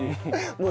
もう。